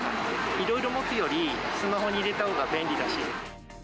いろいろ持つよりスマホに入れたほうが便利だし。